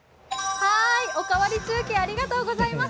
「おかわり中継」ありがとうございます。